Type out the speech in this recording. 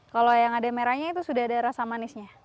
kalau yang ada merahnya itu sudah ada rasa manisnya